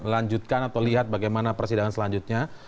lanjutkan atau lihat bagaimana persidangan selanjutnya